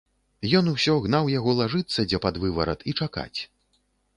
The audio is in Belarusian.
Ён усё гнаў яго лажыцца дзе пад выварат і чакаць.